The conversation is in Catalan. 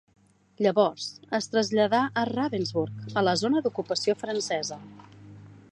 Llavors, es traslladà a Ravensburg, a la zona d'ocupació francesa.